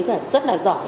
rất là giỏi